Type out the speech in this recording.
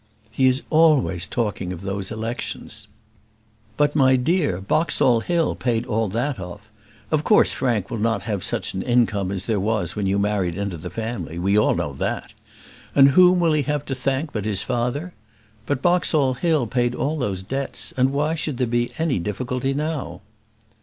"He is always talking of those elections." "But, my dear, Boxall Hill paid all that off. Of course Frank will not have such an income as there was when you married into the family; we all know that. And whom will he have to thank but his father? But Boxall Hill paid all those debts, and why should there be any difficulty now?"